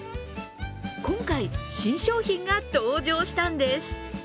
今回、新商品が登場したんです。